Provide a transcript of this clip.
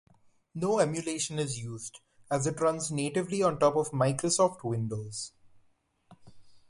No emulation is used, as it runs natively on top of Microsoft Windows.